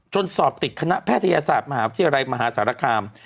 สอบติดคณะแพทยศาสตร์มหาวิทยาลัยมหาสารคาม